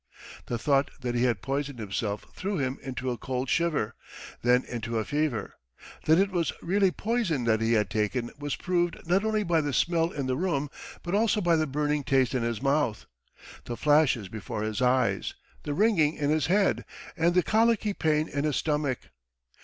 The thought that he had poisoned himself threw him into a cold shiver, then into a fever. That it was really poison that he had taken was proved not only by the smell in the room but also by the burning taste in his mouth, the flashes before his eyes, the ringing in his head, and the colicky pain in his stomach.